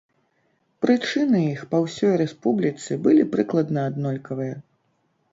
Прычыны іх па ўсёй рэспубліцы былі прыкладна аднолькавыя.